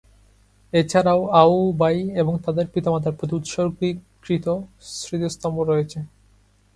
এছাড়াও আও ভাই এবং তাদের পিতামাতার প্রতি উৎসর্গীকৃত স্মৃতিস্তম্ভ রয়েছে।